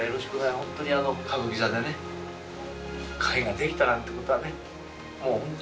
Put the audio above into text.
ホントにあの歌舞伎座でね会ができたなんてことはね。